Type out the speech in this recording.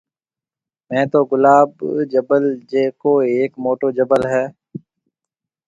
مهيَ تو گلاب جبل جڪو هيڪ موٽو جبل هيَ۔